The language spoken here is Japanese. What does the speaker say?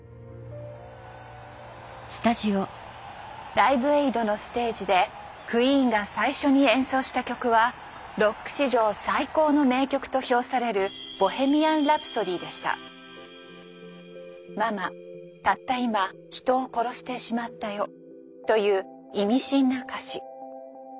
「ライブエイド」のステージでクイーンが最初に演奏した曲はロック史上最高の名曲と評されるという意味深な歌詞。